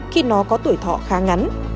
khi nó có tuổi thọ khá ngắn